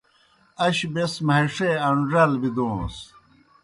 اش بیْس مہݜے اݩڙال بِدَوݨَس۔